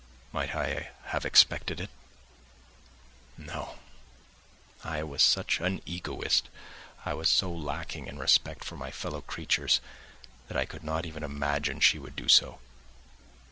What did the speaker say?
Might I have expected it? No, I was such an egoist, I was so lacking in respect for my fellow creatures that I could not even imagine she would do so.